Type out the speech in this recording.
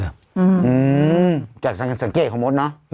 อืมจากสังเกตของมดเนอะ